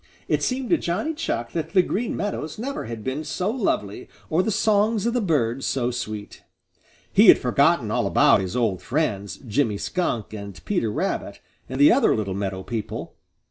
It seemed to Johnny Chuck that the Green Meadows never had been so lovely or the songs of the birds so sweet. He had forgotten all about his old friends, Jimmy Skunk and Peter Rabbit and the other little meadow people.